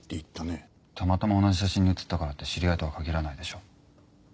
たまたま同じ写真に写ったからって知り合いとは限らないでしょう？